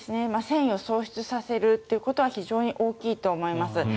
戦意を喪失させることは非常に大きいと思います。